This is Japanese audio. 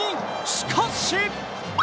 しかし！